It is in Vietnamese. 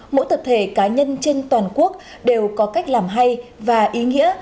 mỗi tập thể cá nhân trên toàn quốc đều có cách làm hay và ý nghĩa